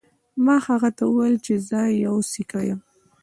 ما هغه ته وویل چې زه یو سیکه یم.